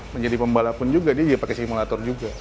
menjadi pembalap pun juga dia pakai simulator juga